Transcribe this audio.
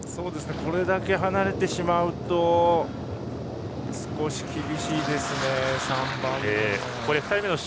これだけ離れてしまうと少し厳しいですね